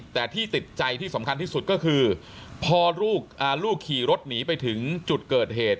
แต่ที่ติดใจที่สำคัญที่สุดก็คือพอลูกขี่รถหนีไปถึงจุดเกิดเหตุ